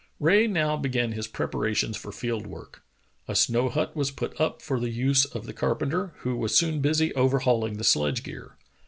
Rae now began his preparations for field work. A snow hut was put up for the use of the carpenter, who was soon busy overhauling the sledge gear.